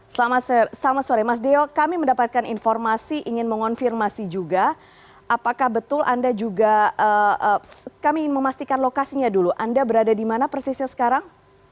selamat sore mas deo kami mendapatkan informasi ingin mengonfirmasi juga apakah betul anda juga kami ingin memastikan lokasinya dulu anda berada di mana persisnya sekarang